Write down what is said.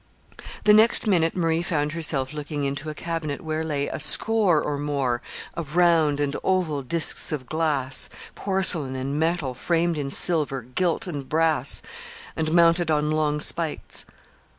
The next minute Marie found herself looking into a cabinet where lay a score or more of round and oval discs of glass, porcelain, and metal, framed in silver, gilt, and brass, and mounted on long spikes.